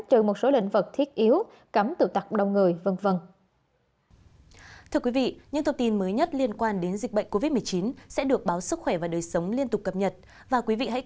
trừ một số lĩnh vực thiết yếu cấm tự tặc đông người v v